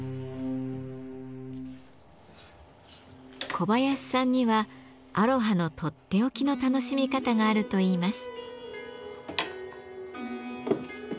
小林さんにはアロハのとっておきの楽しみ方があるといいます。